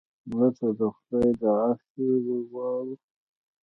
مړه ته د خدای د عرش سیوری غواړو